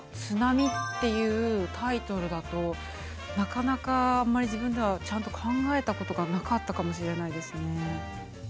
津波っていうタイトルだとなかなかあんまり自分ではちゃんと考えたことがなかったかもしれないですね。